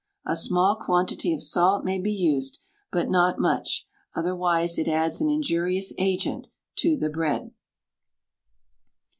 A small quantity of salt may be used, but not much, otherwise it adds an injurious agent to the bread.